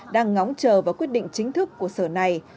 đang ngóng chờ vào quyết định chính thức của sở này